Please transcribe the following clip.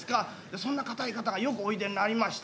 そんな堅い方がよくおいでになりました。